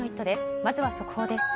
まずは速報です。